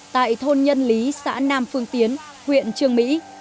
tại thôn nhân lý xã nam phương tiến huyện trương mỹ